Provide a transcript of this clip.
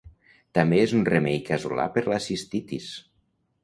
També és un remei casolà per la cistitis.